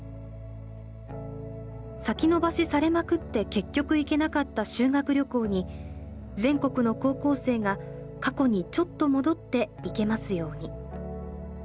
「先延ばしされまくって結局行けなかった修学旅行に全国の高校生が過去にちょっと戻って行けますように。